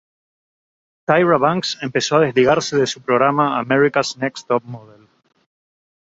Tyra Banks empezó a desligarse de su programa America's next top model.